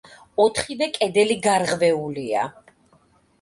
ოთხივე კედელი გარღვეულია.